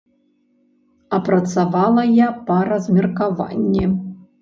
А працавала я па размеркаванні.